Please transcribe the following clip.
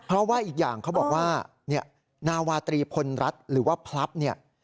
เพราะว่าอีกอย่างเขาบอกว่านาวาตรีพลรัฐหรือว่าพลับเนี่ย